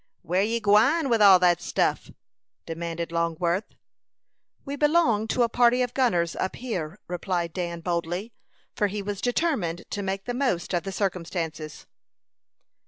"Where ye gwine with all that stuff?" demanded Longworth. "We belong to a party of gunners up here," replied Dan, boldly; for he was determined to make the most of the circumstances.